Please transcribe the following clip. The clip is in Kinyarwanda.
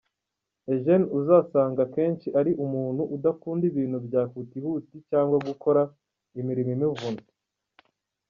Eugene uzasanga akenshi ari umuntu udakunda ibintu bya hutihuti cyangwa gukora imirimo imuvuna .